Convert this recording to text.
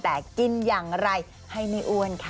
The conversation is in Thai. แต่กินอย่างไรให้ไม่อ้วนค่ะ